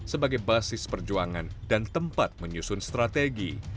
sebagai basis perjuangan dan tempat menyusun strategi